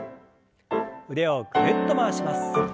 腕をぐるっと回します。